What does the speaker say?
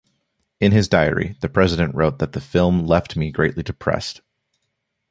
In his diary, the president wrote that the film "left me greatly depressed".